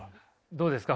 どうですか？